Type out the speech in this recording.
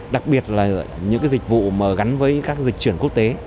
đặc biệt là những dịch vụ mà gắn với các dịch chuyển quốc tế